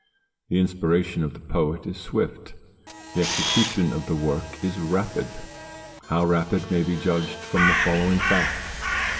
The inspiration of the poet is swift, the execution of the work rapid, how rapid may be judged from the following fact.